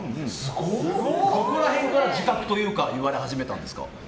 どこら辺から自覚というか言われ始めたんですか。